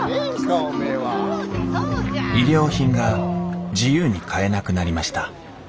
衣料品が自由に買えなくなりました。